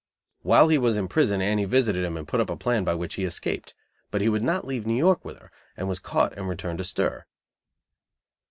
While he was in prison Annie visited him and put up a plan by which he escaped, but he would not leave New York with her, and was caught and returned to "stir."